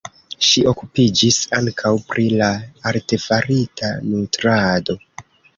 Ŝi okupiĝis ankaŭ pri la artefarita nutrado.